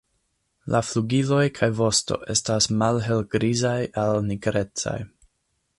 La flugiloj kaj vosto estas malhelgrizaj al nigrecaj.